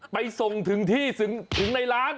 ไปส่งถึงที่ถึงในร้าน